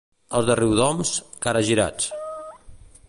Els de Riudoms, caragirats.